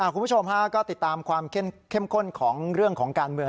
คุณผู้ชมฮะก็ติดตามความเข้มข้นของเรื่องของการเมือง